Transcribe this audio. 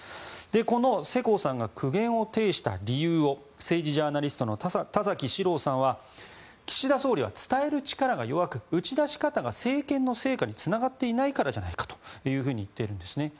この、世耕さんが苦言を呈した理由を政治ジャーナリストの田崎史郎さんは岸田総理は伝える力が弱く打ち出し方が政権の成果につながっていないからじゃないかというふうに言っているんですね。